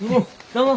どうも。